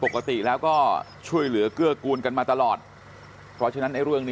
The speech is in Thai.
ปกติแล้วก็ช่วยเหลือเกื้อกูลกันมาตลอดเพราะฉะนั้นไอ้เรื่องนี้